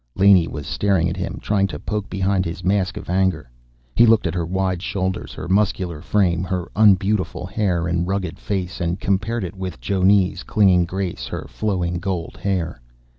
Laney was staring at him, trying to poke behind his mask of anger. He looked at her wide shoulders, her muscular frame, her unbeautiful hair and rugged face, and compared it with Jonne's clinging grace, her flowing gold hair.